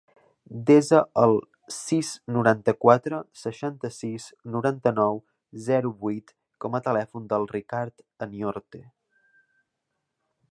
Desa el sis, noranta-quatre, seixanta-sis, noranta-nou, zero, vuit com a telèfon del Ricard Aniorte.